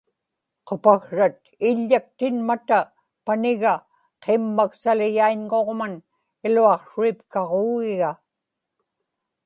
qupaksrat iḷḷaktinmata paniga qimmaksaliyaiñŋuġman iluaqsruipkaġuugiga